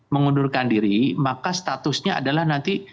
mengundurkan diri maka statusnya adalah nanti